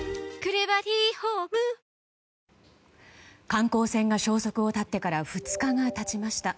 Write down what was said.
観光船が消息を絶ってから２日が経ちました。